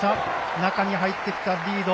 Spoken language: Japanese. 中に入ってきた、リード。